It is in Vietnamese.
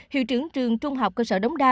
hiệu trưởng trường trung học cơ sở đống đa